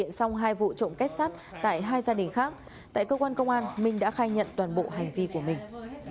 vừa thực hiện xong hai vụ trộm kết sắt tại hai gia đình khác tại cơ quan công an minh đã khai nhận toàn bộ hành vi của mình